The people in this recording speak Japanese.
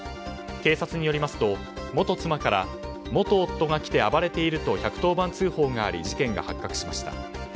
警察によりますと元妻から元夫が来て暴れていると１１０番通報があり事件が発覚しました。